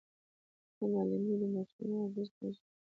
زه د معلمې د مشورو ارزښت پېژنم.